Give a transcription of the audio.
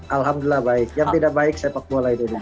alhamdulillah baik yang tidak baik sepak bola indonesia